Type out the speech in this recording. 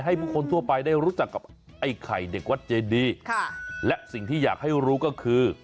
ผู้คนทั่วไปได้รู้จักกับไอ้ไข่เด็กวัดเจดีค่ะและสิ่งที่อยากให้รู้ก็คือ